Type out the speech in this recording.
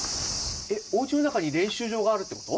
おうちの中に練習場があるってこと？